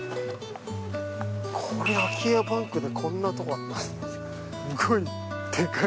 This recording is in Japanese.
これ空き家バンクでこんなとこあるすごいでかい。